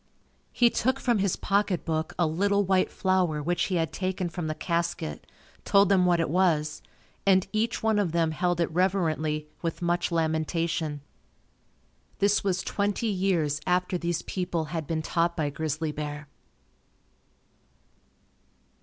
He took from his pocketbook a little white flower which he had taken from the casket, told them what it was and each one of them held it reverently with much lamentation. This was twenty years after these people had been taught by Grizzly Bear.